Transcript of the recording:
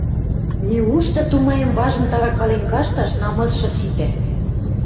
Неушты, тумаем, важым тарыкален кашташ намысшы ситӓ?..»